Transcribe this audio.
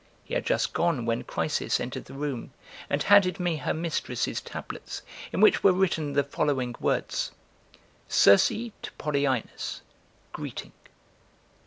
(He had just gone when) Chrysis entered the room and handed me her mistress's tablets, in which were written the following words: CIRCE TO POLYIENOS GREETING.